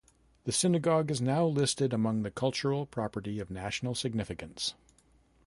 The synagogue is now listed among the Cultural Property of National Significance.